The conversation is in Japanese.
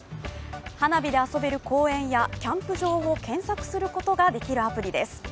花火で遊べる公園やキャンプ場を検索することができるアプリです。